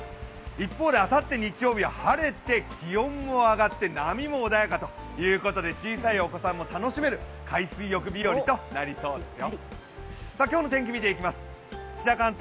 一方であさって日曜日は晴れて気温も上がって波も穏やかということで小さいお子さんも楽しめる海水浴日和となりそうですよ。